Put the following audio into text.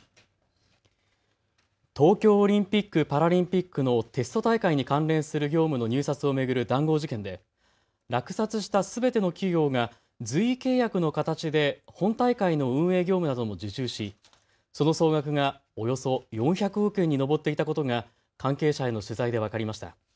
東京オリンピック・パラリンピックのテスト大会に関連する業務の入札を巡る談合事件で落札したすべての企業が随意契約の形で本大会の運営業務なども受注し、その総額がおよそ４００億円に上っていたことが関係者への取材で分かりました。